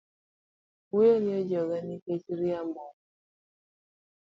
Wuoino ojogaa ni kech oriambo mangeny